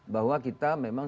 bahwa kita memang